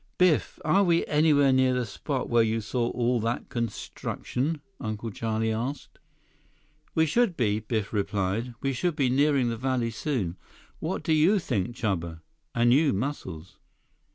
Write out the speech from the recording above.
"Biff, are we anywhere near the spot where you saw all that construction?" Uncle Charlie asked. 177 "We should be," Biff replied. "We should be nearing the valley soon. What do you think, Chuba? And you, Muscles?"